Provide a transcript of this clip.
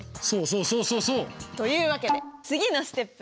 そうそうそうそうそう！というわけで次のＳＴＥＰ。